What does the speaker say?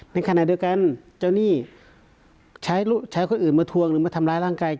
ในขณะเดียวกันชายคนอื่นมาธวงหรือมาทำร้ายร่างกาย